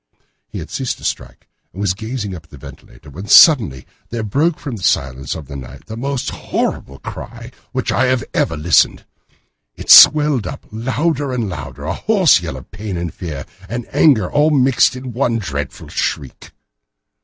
He had ceased to strike and was gazing up at the ventilator when suddenly there broke from the silence of the night the most horrible cry to which I have ever listened. It swelled up louder and louder, a hoarse yell of pain and fear and anger all mingled in the one dreadful shriek.